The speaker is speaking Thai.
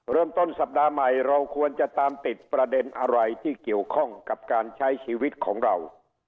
เริ่มต้นสัปดาห์ใหม่เราควรจะตามติดประเด็นอะไรที่เกี่ยวข้องกับการใช้ชีวิตของเรา